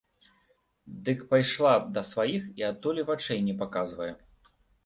Дык пайшла да сваіх і адтуль і вачэй не паказвае.